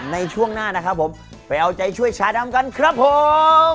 ในช่วงหน้าไปเอาใจช่วยชาดำกันครับผม